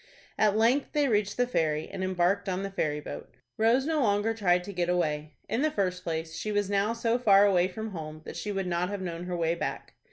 At length they reached the ferry, and embarked on the ferry boat. Rose no longer tried to get away. In the first place, she was now so far away from home that she would not have known her way back.